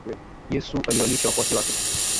Yesu aliwalisha wafuasi wake.